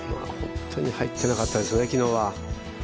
本当に入っていなかったですね、昨日は。